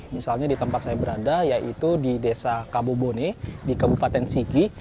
misalnya di tempat saya berada yaitu di desa kabobone di kabupaten sigi